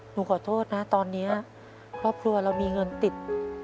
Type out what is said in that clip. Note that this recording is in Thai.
หนูขอโทษนะตอนนี้ครอบครัวเรามีเงินติด